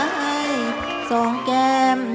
เพลงเพลง